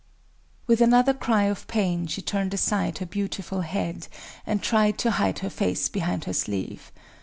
With another cry of pain she turned aside her beautiful head, and tried to hide her face behind her sleeve.